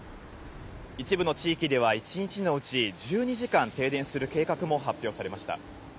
一部の地域では１日のうち１２時間停電する計画も発表されました。